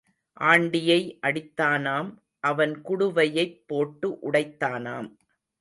ஆண்டியை அடித்தானாம் அவன் குடுவையைப் போட்டு உடைத்தானாம்.